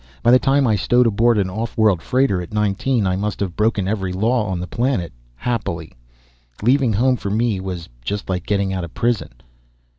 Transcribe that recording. By the time I stowed aboard an off world freighter at nineteen I must have broken every law on the planet. Happily. Leaving home for me was just like getting out of prison."